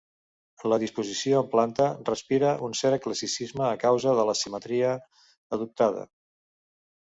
La disposició en planta respira un cert classicisme, a causa de la simetria adoptada.